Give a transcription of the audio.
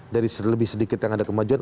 dari lebih sedikit yang ada kemajuan